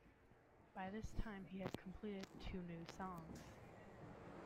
By this time he had completed two new songs.